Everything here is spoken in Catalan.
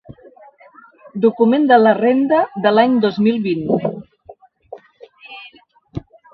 Document de la renda de l'any dos mil vint.